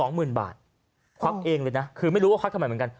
หมื่นบาทควักเองเลยนะคือไม่รู้ว่าควักทำไมเหมือนกัน